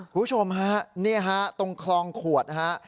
คุณผู้ชมฮะนี่ฮะตรงคลองขวดนะฮะ